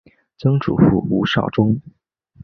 曾祖父吴绍宗。